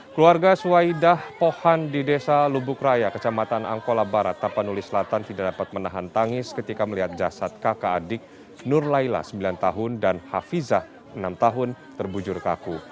keluarga suwaidah pohan di desa lubuk raya kecamatan angkola barat tapanuli selatan tidak dapat menahan tangis ketika melihat jasad kakak adik nur laila sembilan tahun dan hafizah enam tahun terbujur kaku